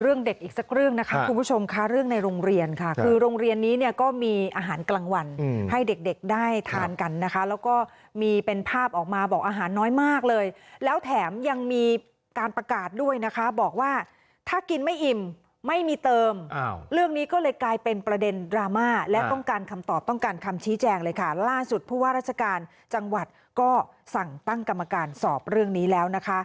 เด็กอีกสักเรื่องนะคะคุณผู้ชมค่ะเรื่องในโรงเรียนค่ะคือโรงเรียนนี้เนี่ยก็มีอาหารกลางวันให้เด็กเด็กได้ทานกันนะคะแล้วก็มีเป็นภาพออกมาบอกอาหารน้อยมากเลยแล้วแถมยังมีการประกาศด้วยนะคะบอกว่าถ้ากินไม่อิ่มไม่มีเติมเรื่องนี้ก็เลยกลายเป็นประเด็นดราม่าและต้องการคำตอบต้องการคำชี้แจงเลยค่ะล่าสุดผู้ว่าราชการจังหวัดก็สั่งตั้งกรรมการสอบเรื่องนี้แล้วนะคะ